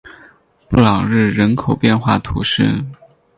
布朗日人口变化图示